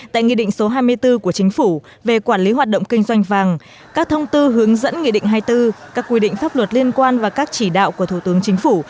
tại nghị định số hai mươi bốn của chính phủ về quản lý hoạt động kinh doanh vàng các thông tư hướng dẫn nghị định hai mươi bốn các quy định pháp luật liên quan và các chỉ đạo của thủ tướng chính phủ